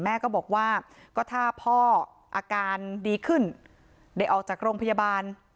แม่ก็บอกว่าก็ถ้าพ่ออาการดีขึ้นได้ออกจากโรงพยาบาล